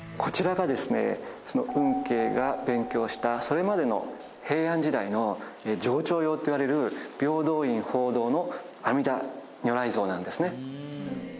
運慶が勉強したそれまでの平安時代の定朝様っていわれる平等院鳳凰堂の阿弥陀如来像なんですね。